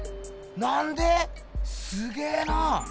なんで⁉すげえな！